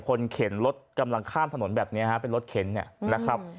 เข็นรถกำลังข้ามถนนแบบนี้ฮะเป็นรถเข็นเนี่ยนะครับ